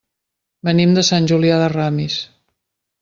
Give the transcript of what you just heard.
Venim de Sant Julià de Ramis.